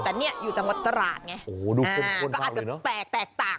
แต่นี้อยู่ในตลาดไงเขาอาจจะแตกต่าง